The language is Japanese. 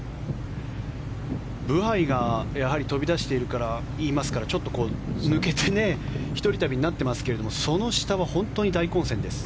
ブハイがやはり飛び出していますからちょっと抜けて一人旅になっていますけれどその下は本当に大混戦です。